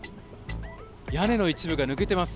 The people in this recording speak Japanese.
屋根の一部が抜けてます。